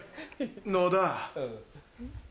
野田。